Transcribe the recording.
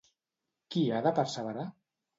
Qui ha de perseverar?